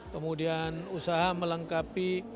kemudian usaha melengkapi